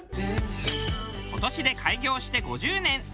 今年で開業して５０年。